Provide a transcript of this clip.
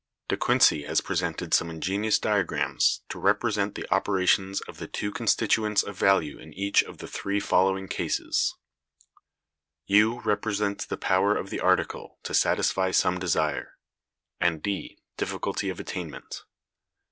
De Quincey(206) has presented some ingenious diagrams to represent the operations of the two constituents of value in each of the three following cases: U represents the power of the article to satisfy some desire, and D difficulty of attainment.